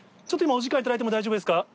ちょっと今お時間頂いても大丈夫ですか？